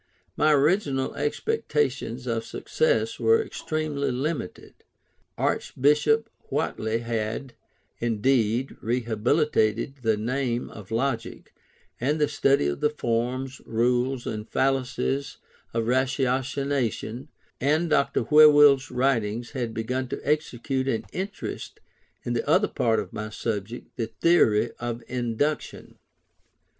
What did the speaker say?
My original expectations of success were extremely limited. Archbishop Whately had, indeed, rehabilitated the name of Logic, and the study of the forms, rules, and fallacies of Ratiocination; and Dr. Whewell's writings had begun to excite an interest in the other part of my subject, the theory of Induction.